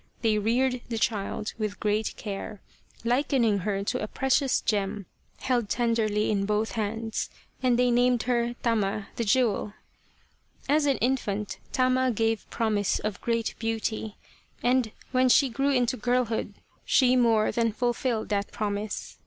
They reared the child with great care, likening her to a precious gem held tenderly in both hands, and they named her Tama, the Jewel. As an infant Tama gave promise of great beauty, and when she grew into girlhood she more than * The old name for Tokyo. 99 The Reincarnation of Tama fulfilled that promise.